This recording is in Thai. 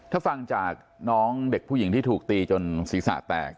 ถ้าฟังจากน้องเด็กผู้หญิงที่ถูกตีจนศีรษะแตก